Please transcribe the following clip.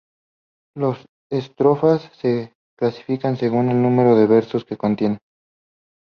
Las estrofas se clasifican según el número de versos que contienen.